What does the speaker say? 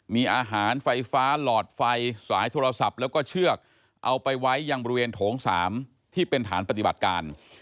มีอาหารไฟฟ้าหลอดไฟสายโทรศัพท์แล้วก็เชือกเอาไปไว้ยังบริเวณโถง๓ที่เป็นฐานปฏิบัติการ